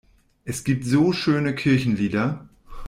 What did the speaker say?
Es gibt so schöne Kirchenlieder!